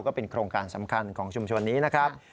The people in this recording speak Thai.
ก็เป็นโครงการสำคัญของชุมชนนี้นะครับ